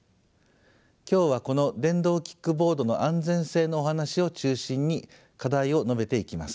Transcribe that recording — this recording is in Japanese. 今日はこの電動キックボードの安全性のお話を中心に課題を述べていきます。